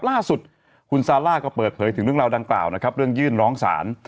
ล่าสุดคุณซาร่าก็เปิดเผยถึงเรื่องราวดังกล่าวนะครับเรื่องยื่นร้องศาล